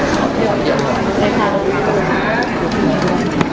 ขอบคุณค่ะ